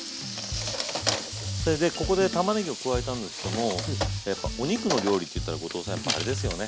それでここでたまねぎを加えたんですけどもやっぱお肉の料理っていったら後藤さんやっぱあれですよね？